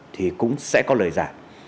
thì cũng sẽ có lời giả